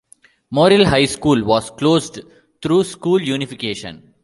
Morrill High School was closed through school unification.